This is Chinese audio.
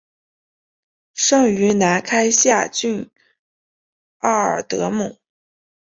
生于兰开夏郡奥尔德姆。